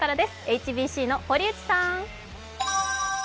ＨＢＣの堀内さん！